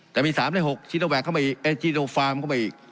จะมี๓ใน๖ชีโนแวคเข้าไปอีกเอ่ยชีโนฟาร์มเข้าไปอีก